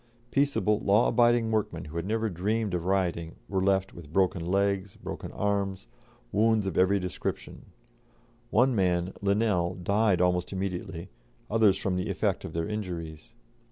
Peaceable, law abiding workmen, who had never dreamed of rioting, were left with broken legs, broken arms, wounds of every description. One man, Linnell, died almost immediately, others from the effect of their injuries.